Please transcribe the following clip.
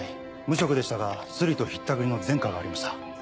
無職でしたがスリとひったくりの前科がありました。